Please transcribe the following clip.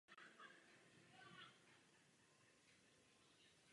Pod novým názvem Dům Fučík se stal součástí státní společnosti Lázně Poděbrady.